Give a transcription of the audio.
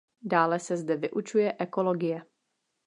Dále se zde vyučuje ekologie.